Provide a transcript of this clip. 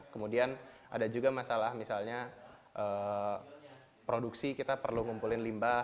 kemudian ada juga masalah misalnya produksi kita perlu ngumpulin limbah